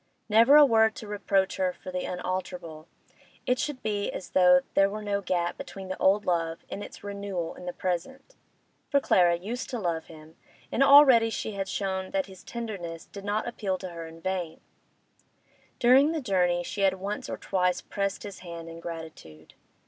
Never a word to reproach her for the unalterable; it should be as though there were no gap between the old love and its renewal in the present. For Clara used to love him, and already she had shown that his tenderness did not appeal to her in vain; during the journey she had once or twice pressed his hand in gratitude.